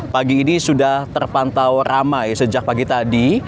pagi ini sudah terpantau ramai sejak pagi tadi